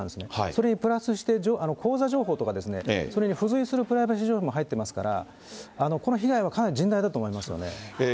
それにプラスして、口座情報とか、それに付随するプライバシー情報も入ってますから、この被害はかなり甚大だと思いますよね。